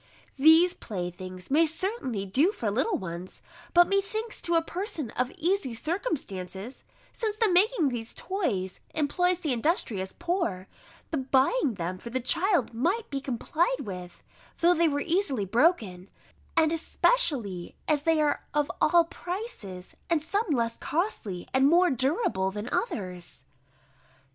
These playthings may certainly do for little ones: but methinks, to a person of easy circumstances, since the making these toys employs the industrious poor, the buying them for the child might be complied with, though they were easily broken; and especially as they are of all prices, and some less costly, and more durable than others.